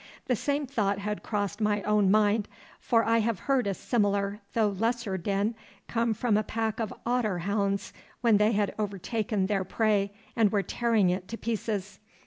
The same thought had crossed my own mind, for I have heard a similar though lesser din come from a pack of otter hounds when they had overtaken their prey and were tearing it to pieces.